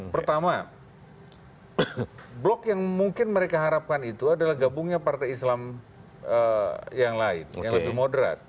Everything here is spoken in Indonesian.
pertama blok yang mungkin mereka harapkan itu adalah gabungnya partai islam yang lain yang lebih moderat